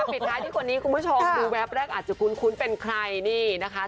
ปิดท้ายที่คนนี้คุณผู้ชมดูแวบแรกอาจจะคุ้นเป็นใครนี่นะคะ